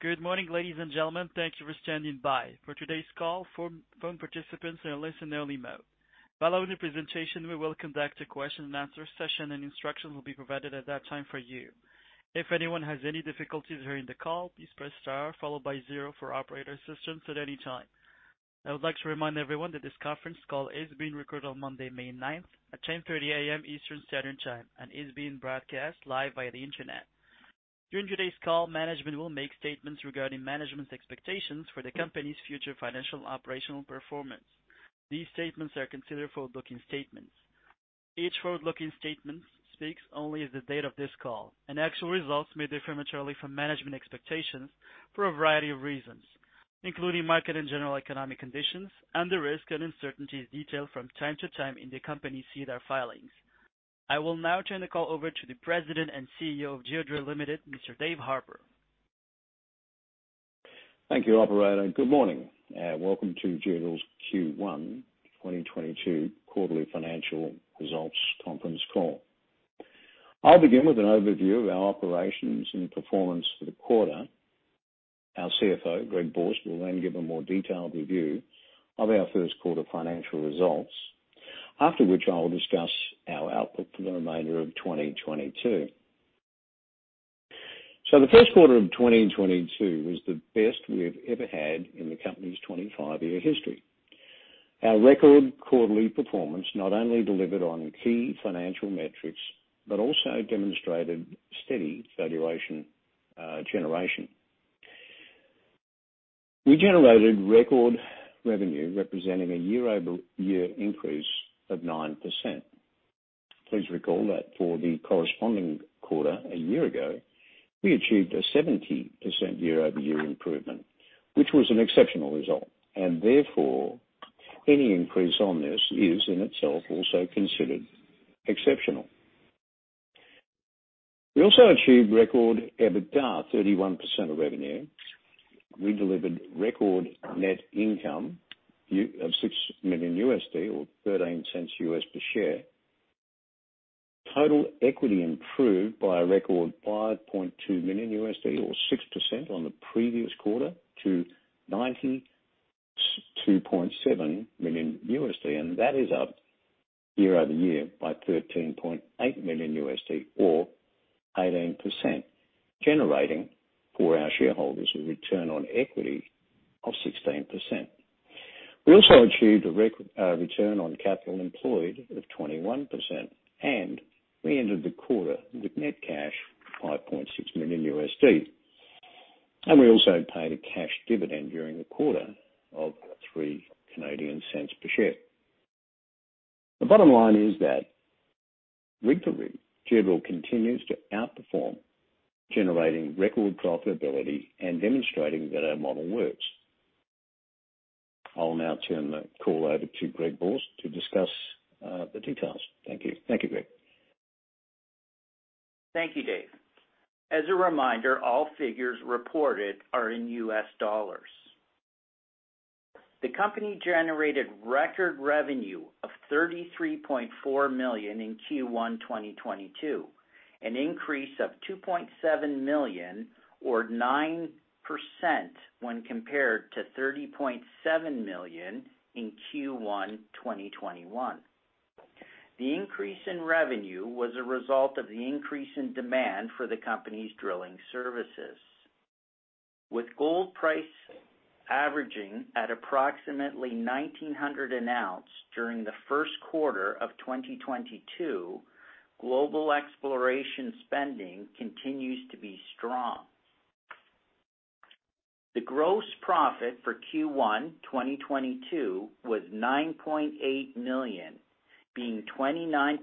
Good morning, ladies and gentlemen. Thank you for standing by. For today's call, phone participants are in listen-only mode. Following the presentation, we will conduct a question and answer session, and instructions will be provided at that time for you. If anyone has any difficulties during the call, please press star followed by zero for operator assistance at any time. I would like to remind everyone that this conference call is being recorded on Monday, May 9th, at 10:30 A.M. Eastern Standard Time, and is being broadcast live via the Internet. During today's call, management will make statements regarding management's expectations for the company's future financial operational performance. These statements are considered forward-looking statements. Each forward-looking statement speaks only as the date of this call, and actual results may differ materially from management expectations for a variety of reasons, including market and general economic conditions and the risks and uncertainties detailed from time to time in the company's SEDAR filings. I will now turn the call over to the President and CEO of Geodrill Limited, Mr. Dave Harper. Thank you, operator. Good morning, and welcome to Geodrill's Q1 2022 quarterly financial results conference call. I'll begin with an overview of our operations and performance for the quarter. Our CFO, Greg Borsk, will then give a more detailed review of our first quarter financial results. After which I'll discuss our outlook for the remainder of 2022. The first quarter of 2022 was the best we've ever had in the company's 25-year history. Our record quarterly performance not only delivered on key financial metrics but also demonstrated steady value generation. We generated record revenue representing a year-over-year increase of 9%. Please recall that for the corresponding quarter a year ago, we achieved a 70% year-over-year improvement, which was an exceptional result. Therefore, any increase on this is in itself also considered exceptional. We also achieved record EBITDA 31% of revenue. We delivered record net income of $6 million or $0.13 per share. Total equity improved by a record $5.2 million or 6% on the previous quarter to $92.7 million. That is up year over year by $13.8 million or 18%, generating for our shareholders a return on equity of 16%. We also achieved a return on capital employed of 21%, and we ended the quarter with net cash $5.6 million. We also paid a cash dividend during the quarter of 0.03 per share. The bottom line is that rig for rig, Geodrill continues to outperform, generating record profitability and demonstrating that our model works. I'll now turn the call over to Greg Borsk to discuss the details. Thank you. Thank you, Greg. Thank you, Dave. As a reminder, all figures reported are in US dollars. The company generated record revenue of $33.4 million in Q1 2022, an increase of $2.7 million or 9% when compared to $30.7 million in Q1 2021. The increase in revenue was a result of the increase in demand for the company's drilling services. With gold price averaging at approximately $1,900 an ounce during the first quarter of 2022, global exploration spending continues to be strong. The gross profit for Q1 2022 was $9.8 million, being 29%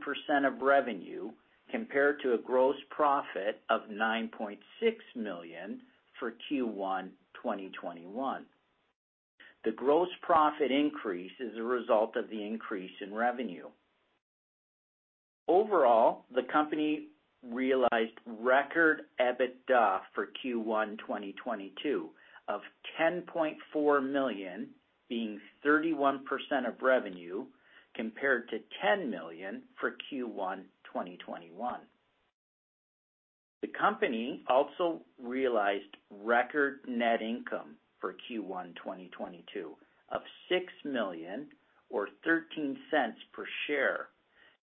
of revenue compared to a gross profit of $9.6 million for Q1 2021. The gross profit increase is a result of the increase in revenue. Overall, the company realized record EBITDA for Q1 2022 of $10.4 million being 31% of revenue compared to $10 million for Q1 2021. The company also realized record net income for Q1 2022 of $6 million or $0.13 per share,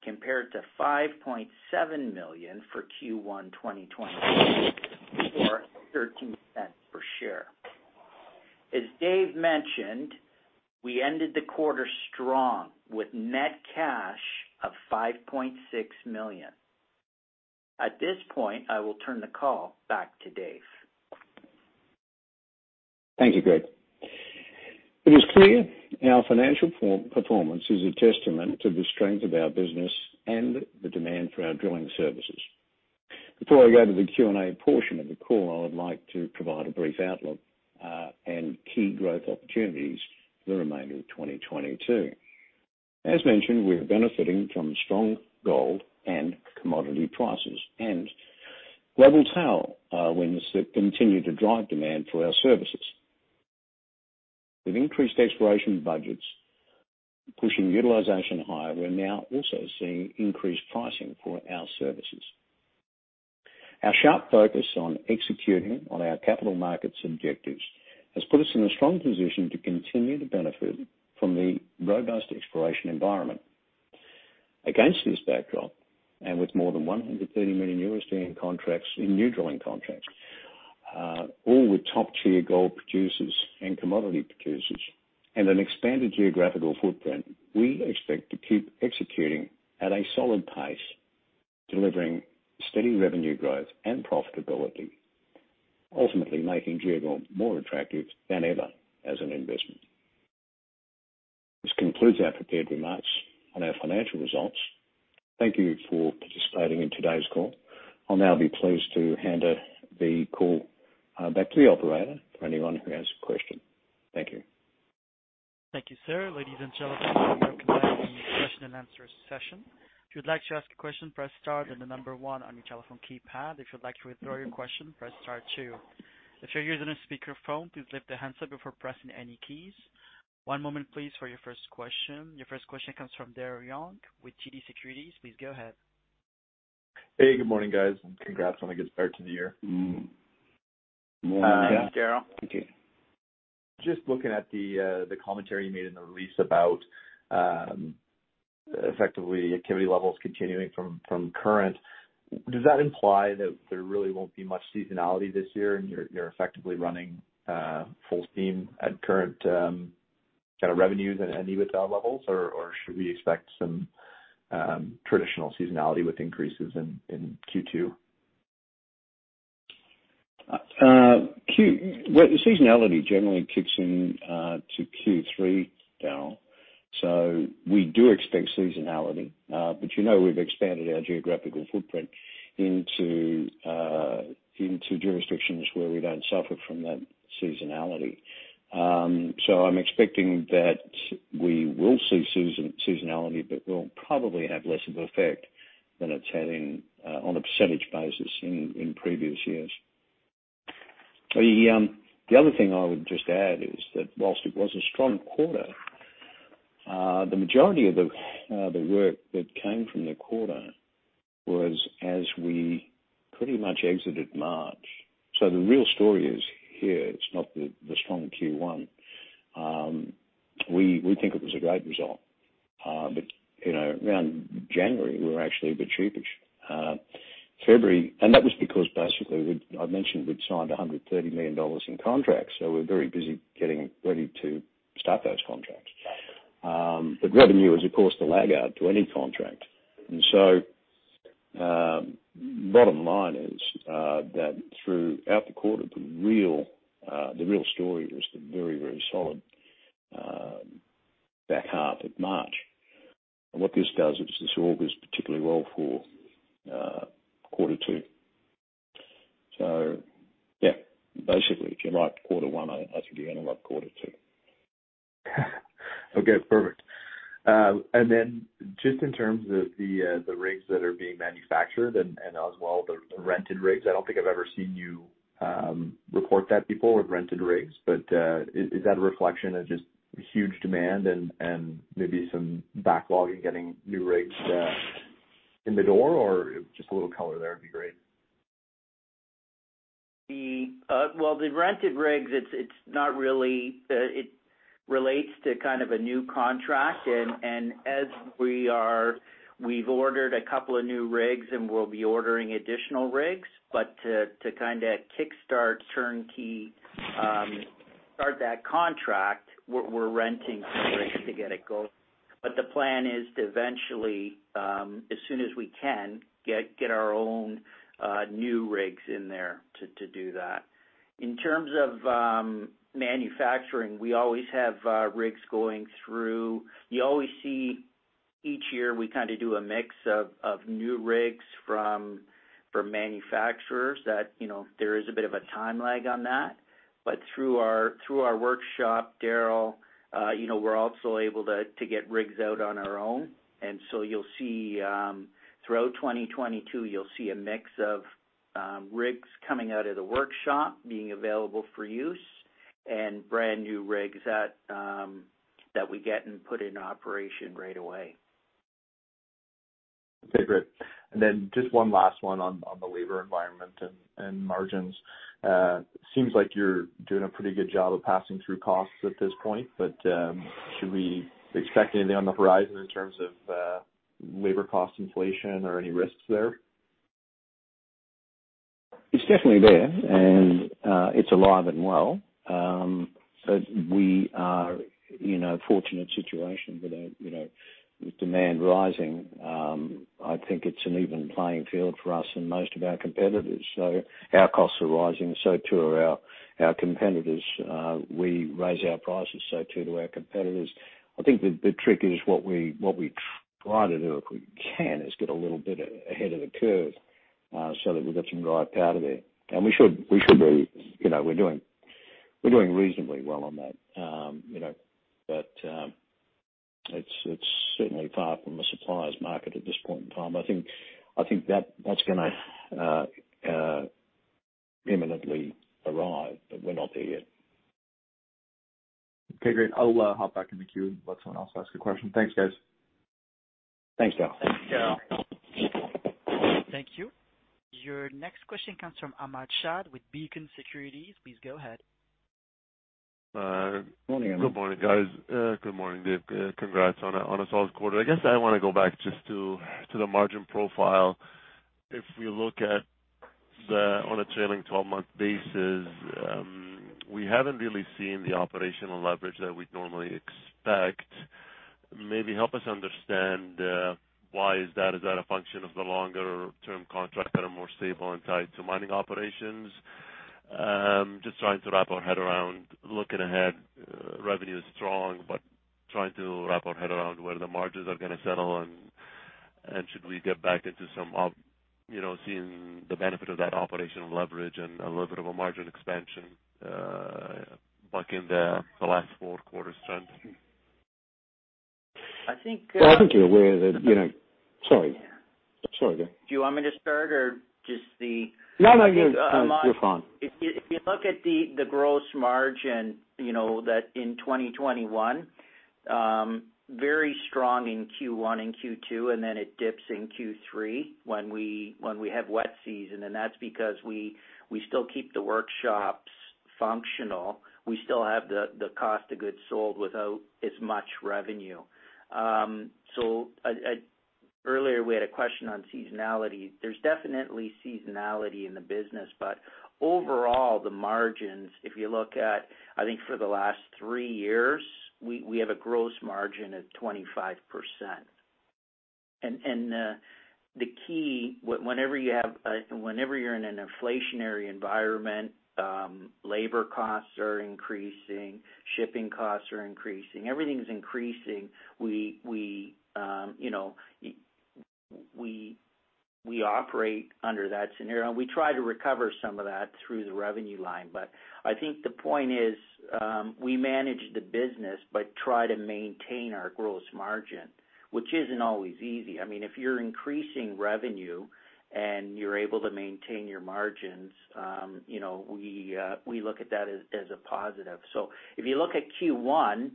compared to $5.7 million for Q1 2021 or $0.13 per share. As Dave mentioned, we ended the quarter strong with net cash of $5.6 million. At this point, I will turn the call back to Dave. Thank you, Greg. It is clear our financial performance is a testament to the strength of our business and the demand for our drilling services. Before I go to the Q&A portion of the call, I would like to provide a brief outlook and key growth opportunities for the remainder of 2022. As mentioned, we're benefiting from strong gold and commodity prices and global tailwinds that continue to drive demand for our services. With increased exploration budgets pushing utilization higher, we're now also seeing increased pricing for our services. Our sharp focus on executing on our capital markets objectives has put us in a strong position to continue to benefit from the robust exploration environment. Against this backdrop, and with more than $130 million in contracts, in new drilling contracts, all with top-tier gold producers and commodity producers and an expanded geographical footprint, we expect to keep executing at a solid pace, delivering steady revenue growth and profitability, ultimately making Geodrill more attractive than ever as an investment. This concludes our prepared remarks on our financial results. Thank you for participating in today's call. I'll now be pleased to hand the call back to the operator for anyone who has a question. Thank you. Thank you, sir. Ladies and gentlemen, we're now in the question and answer session. If you'd like to ask a question, press star, then the number one on your telephone keypad. If you'd like to withdraw your question, press star two. If you're using a speaker phone, please lift the handset before pressing any keys. One moment please, for your first question. Your first question comes from Daryl Young with TD Securities. Please go ahead. Hey, good morning, guys, and congrats on a good start to the year. Good morning, Daryl. Thank you. Just looking at the commentary you made in the release about effectively activity levels continuing from current. Does that imply that there really won't be much seasonality this year and you're effectively running full steam at current kind of revenues and EBITDA levels? Or should we expect some traditional seasonality with increases in Q2? Well, the seasonality generally kicks in to Q3 now. We do expect seasonality. You know we've expanded our geographical footprint into jurisdictions where we don't suffer from that seasonality. I'm expecting that we will see seasonality, but it will probably have less of effect than it's had in on a percentage basis in previous years. The other thing I would just add is that while it was a strong quarter, the majority of the work that came from the quarter was as we pretty much exited March. The real story is here, it's not the strong Q1. We think it was a great result. You know, around January, we're actually a bit cheapish. That was because basically we'd, I mentioned we'd signed $130 million in contracts, so we're very busy getting ready to start those contracts. Revenue is of course the lag out to any contract. Bottom line is that throughout the quarter, the real story was the very, very solid back half of March. What this does is this augurs particularly well for quarter two. Yeah, basically, if you like quarter one, I think you're gonna like quarter two. Okay, perfect. Just in terms of the rigs that are being manufactured and as well, the rented rigs. I don't think I've ever seen you report that before with rented rigs. Is that a reflection of just huge demand and maybe some backlog in getting new rigs in the door? Or just a little color there would be great. Well, the rented rigs, it's not really, it relates to kind of a new contract and as we are, we've ordered a couple of new rigs and we'll be ordering additional rigs. To kinda kickstart turnkey, start that contract, we're renting some rigs to get it going. The plan is to eventually, as soon as we can, get our own new rigs in there to do that. In terms of manufacturing, we always have rigs going through. You always see each year, we kinda do a mix of new rigs from manufacturers that, you know, there is a bit of a time lag on that. Through our workshop, Daryl, you know, we're also able to get rigs out on our own. You'll see, throughout 2022, you'll see a mix of rigs coming out of the workshop being available for use and brand-new rigs that we get and put in operation right away. Okay, great. Just one last one on the labor environment and margins. Seems like you're doing a pretty good job of passing through costs at this point, but should we expect anything on the horizon in terms of labor cost inflation or any risks there? It's definitely there, and it's alive and well. We are in a fortunate situation with demand rising. I think it's an even playing field for us and most of our competitors. Our costs are rising, so too are our competitors. We raise our prices, so too do our competitors. I think the trick is what we try to do, if we can, is get a little bit ahead of the curve, so that we've got some dry powder there. We should be, you know, we're doing reasonably well on that. It's certainly far from a supplier's market at this point in time. I think that that's gonna imminently arrive, but we're not there yet. Okay, great. I'll hop back in the queue and let someone else ask a question. Thanks, guys. Thanks, Daryl. Thanks, Daryl. Thank you. Your next question comes from Ahmad Shaath with Beacon Securities. Please go ahead. Good morning, guys. Good morning, Dave. Congrats on a solid quarter. I guess I wanna go back just to the margin profile. If we look at on a trailing twelve-month basis, we haven't really seen the operational leverage that we'd normally expect. Maybe help us understand why that is. Is that a function of the longer term contracts that are more stable and tied to mining operations? Just trying to wrap our head around looking ahead, revenue is strong, but trying to wrap our head around where the margins are gonna settle and should we get back into some you know, seeing the benefit of that operational leverage and a little bit of a margin expansion back in the last four quarters trend. I think. Sorry, Dave. Do you want me to start or just the? No, no. You're fine. If you look at the gross margin, you know, that in 2021, very strong in Q1 and Q2, and then it dips in Q3 when we have wet season, and that's because we still keep the workshops functional. We still have the cost of goods sold without as much revenue. Earlier we had a question on seasonality. There's definitely seasonality in the business, but overall, the margins, if you look at, I think for the last three years, we have a gross margin of 25%. The key, whenever you're in an inflationary environment, labor costs are increasing, shipping costs are increasing, everything's increasing. You know, we operate under that scenario, and we try to recover some of that through the revenue line. I think the point is, we manage the business but try to maintain our gross margin, which isn't always easy. I mean, if you're increasing revenue and you're able to maintain your margins, you know, we look at that as a positive. If you look at Q1,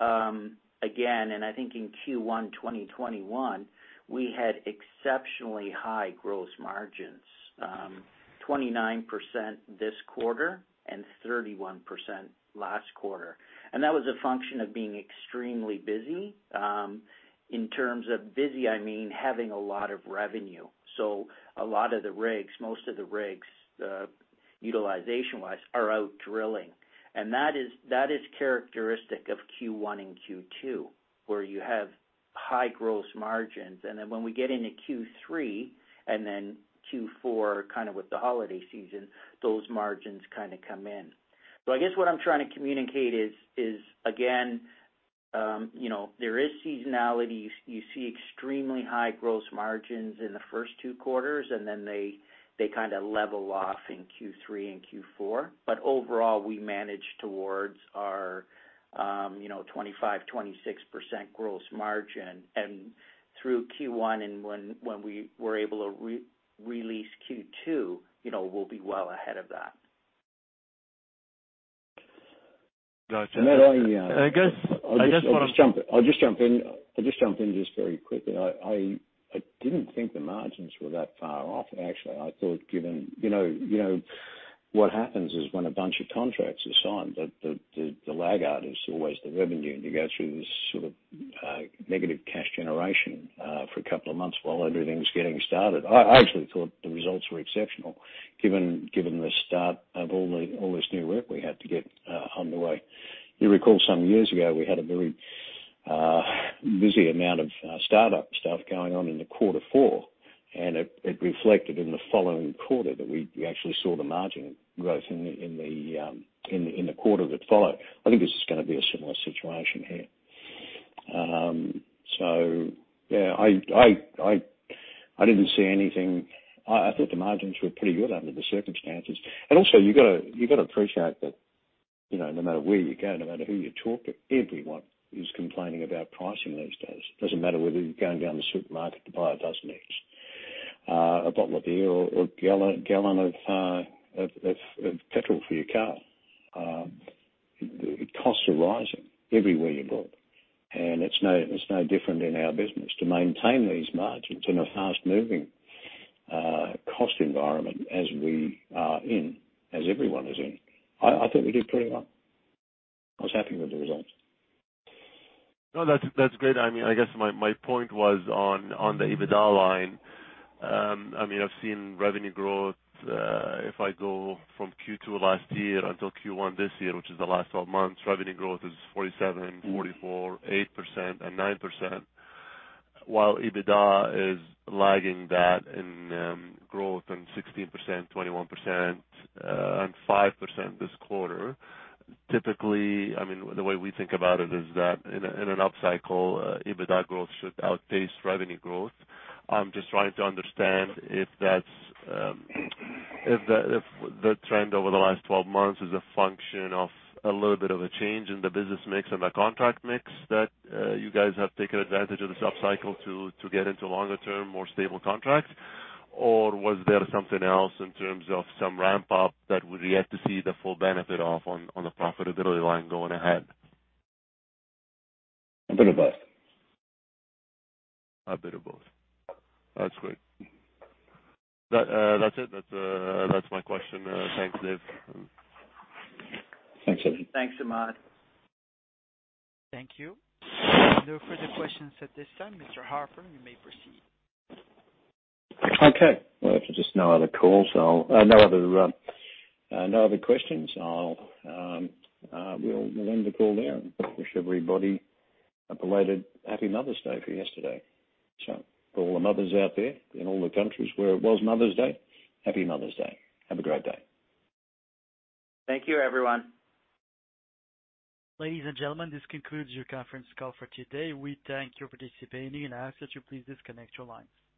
again, and I think in Q1 2021, we had exceptionally high gross margins. 29% this quarter and 31% last quarter. That was a function of being extremely busy. In terms of busy, I mean, having a lot of revenue. A lot of the rigs, most of the rigs, utilization-wise are out drilling. That is characteristic of Q1 and Q2, where you have high gross margins. Then when we get into Q3 and then Q4, kind of with the holiday season, those margins kinda come in. I guess what I'm trying to communicate is again, you know, there is seasonality. You see extremely high gross margins in the first two quarters, and then they kinda level off in Q3 and Q4. Overall, we manage towards our, you know, 25%-26% gross margin. And through Q1 and when we were able to re-release Q2, you know, we'll be well ahead of that. Go ahead. I guess, I just wanna. I'll just jump in just very quickly. I didn't think the margins were that far off, actually. I thought given you know what happens is when a bunch of contracts are signed, the lag out is always the revenue, and you go through this sort of negative cash generation for a couple of months while everything's getting started. I actually thought the results were exceptional given the start of all this new work we had to get underway. You recall some years ago, we had a very busy amount of startup stuff going on in quarter four, and it reflected in the following quarter that we actually saw the margin growth in the quarter that followed. I think this is gonna be a similar situation here. Yeah, I didn't see anything. I thought the margins were pretty good under the circumstances. Also you gotta appreciate that, you know, no matter where you go, no matter who you talk to, everyone is complaining about pricing these days. Doesn't matter whether you're going down the supermarket to buy a dozen eggs, a bottle of beer or a gallon of petrol for your car. Costs are rising everywhere you go. It's no different in our business. To maintain these margins in a fast-moving cost environment as we are in, as everyone is in, I think we did pretty well. I was happy with the results. No, that's great. I mean, I guess my point was on the EBITDA line. I mean, I've seen revenue growth, if I go from Q2 last year until Q1 this year, which is the last twelve months, revenue growth is 47%, 44%, 8% and 9%, while EBITDA is lagging that in growth in 16%, 21%, and 5% this quarter. Typically, I mean, the way we think about it is that in an upcycle, EBITDA growth should outpace revenue growth. I'm just trying to understand if that's if the trend over the last 12 months is a function of a little bit of a change in the business mix and the contract mix that you guys have taken advantage of this upcycle to get into longer term, more stable contracts. Was there something else in terms of some ramp up that we're yet to see the full benefit of on the profitability line going ahead? A bit of both. A bit of both. That's great. That's it. That's my question. Thanks, Dave. Thanks. Thanks, Ahmad. Thank you. No further questions at this time. Mr. Harper, you may proceed. Okay. Well, if there's just no other questions, we'll end the call there and wish everybody a belated Happy Mother's Day for yesterday. For all the mothers out there in all the countries where it was Mother's Day, Happy Mother's Day. Have a great day. Thank you, everyone. Ladies and gentlemen, this concludes your conference call for today. We thank you for participating and ask that you please disconnect your lines.